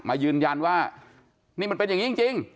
แต่ก็จะทำการว่านี่มันเป็นอย่างนี้จริง